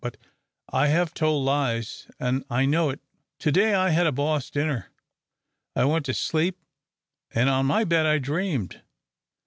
But I have told lies, an' I know it. To day I had a boss dinner. I went to sleep an' on my bed I dreamed.